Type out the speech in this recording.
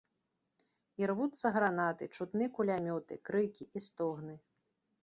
Ірвуцца гранаты, чутны кулямёты, крыкі і стогны.